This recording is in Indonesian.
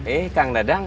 eh kang dadang